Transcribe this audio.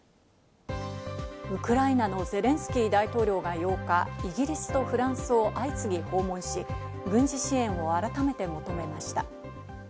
ウクライナのゼレンスキー大統領が８日、イギリスとフランスを相次ぎ訪問し、軍事支援を改めて求めました。